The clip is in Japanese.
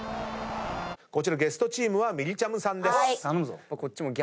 こちらゲストチームはみりちゃむさんです。